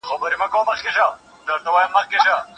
کشکي ستاسي په څېر زه هم الوتلای